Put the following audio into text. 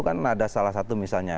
kan ada salah satu misalnya